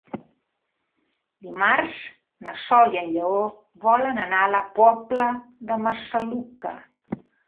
Dimarts na Sol i en Lleó volen anar a la Pobla de Massaluca.